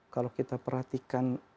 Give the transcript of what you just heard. kalau kita perhatikan